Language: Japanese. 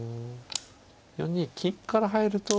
４二金から入ると。